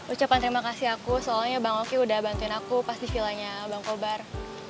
ucapan terima kasih aku soalnya bang oki udah bantuin aku pas di vilanya bang kobar